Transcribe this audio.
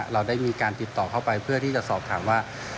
เราได้มีการติดต่อเข้าไปเพื่อที่จะสอบถามว่า